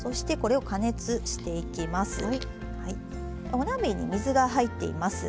お鍋に水が入っています。